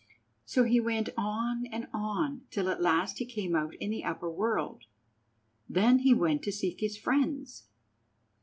So he went on and on till at last he came out in the upper world. Then he went to seek his friends.